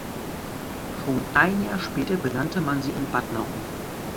Schon ein Jahr später benannte man sie in Batna um.